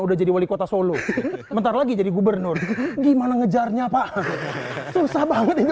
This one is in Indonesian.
udah jadi wali kota solo bentar lagi jadi gubernur gimana ngejarnya pak susah banget ini